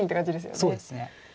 そうですね。